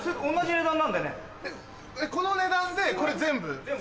この値段でこれ全部？